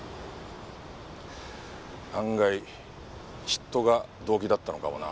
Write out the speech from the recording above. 案外嫉妬が動機だったのかもな。